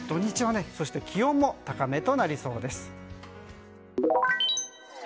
そして気温も高めとなりそうです。